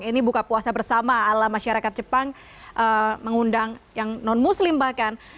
ini buka puasa bersama ala masyarakat jepang mengundang yang non muslim bahkan